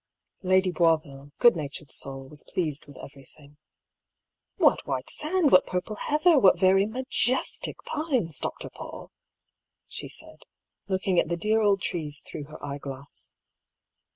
Lady Boisville, good natured soul, was pleased with everything. " What white sand, what purple heather, what very majestic pines. Dr. Paull !" she said, looking at the dear old trees through her eye glass.